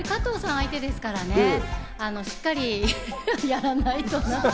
相手ですから、しっかりやらないと。